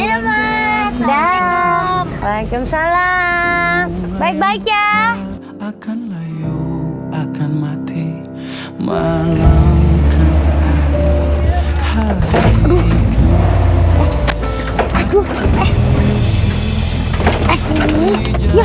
assalamualaikum waalaikumsalam baik baik ya